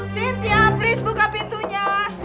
cynthia please buka pintunya